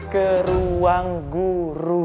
ke ruang guru